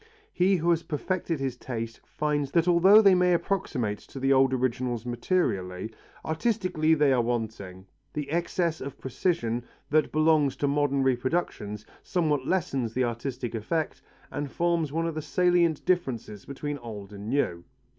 He who has perfected his taste finds that although they may approximate to the old originals materially, artistically they are wanting. The excess of precision that belongs to modern reproductions somewhat lessens the artistic effect and forms one of the salient differences between old and new.